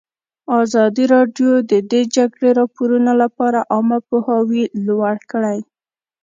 ازادي راډیو د د جګړې راپورونه لپاره عامه پوهاوي لوړ کړی.